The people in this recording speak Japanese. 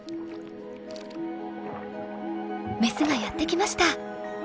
メスがやって来ました。